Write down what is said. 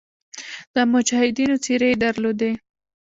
د مجاهدینو څېرې یې درلودې.